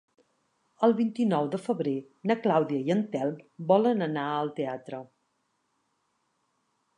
El vint-i-nou de febrer na Clàudia i en Telm volen anar al teatre.